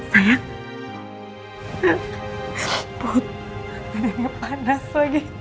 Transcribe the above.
tidak ada yang panas lagi